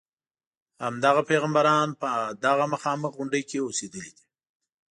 همدغه پیغمبران په دغه مخامخ غونډې کې اوسېدلي دي.